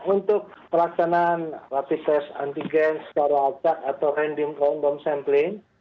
untuk pelaksanaan lapis tes antigen secara acak atau random long term sampling